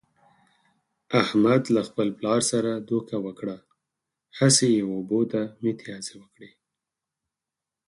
احمد له خپل پلار سره دوکه وکړه، هسې یې اوبو ته متیازې و کړلې.